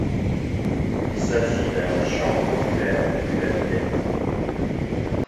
Il s'agit d'un chant populaire depuis la nuit des temps.